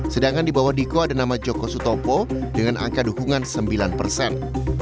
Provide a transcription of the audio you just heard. sedangkan di bawah diko ada nama joko sutopo dengan angka dukungan sembilan persen